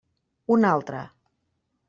Un altre.